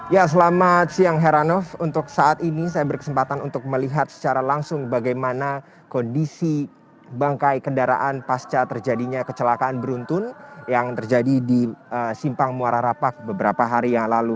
ya selamat siang heranov untuk saat ini saya berkesempatan untuk melihat secara langsung bagaimana kondisi bangkai kendaraan pasca terjadinya kecelakaan beruntun yang terjadi di simpang muara rapak beberapa hari yang lalu